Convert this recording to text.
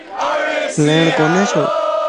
ليڻ ڪوني ڇو؟